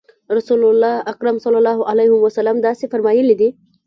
رسول اکرم صلی الله علیه وسلم داسې فرمایلي دي.